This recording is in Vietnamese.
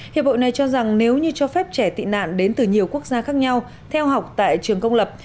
hiệp hội này cho rằng nếu như cho phép trẻ tị nạn đến từ nhiều quốc gia khác nhau theo học tại trường công lập